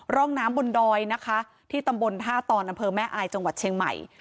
ร่องน้ำบนดอยนะคะที่ตำบลท่าตอนอำเภอแม่อายจังหวัดเชียงใหม่